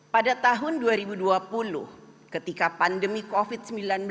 pada tahun dua ribu dua puluh ketika pandemi covid sembilan belas